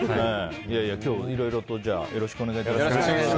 今日、いろいろとよろしくお願いいたします。